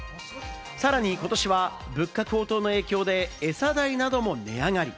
さらに今年は物価高騰の影響で、エサ代なども値上がり。